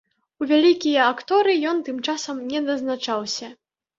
У вялікія акторы ён тым часам не назначаўся.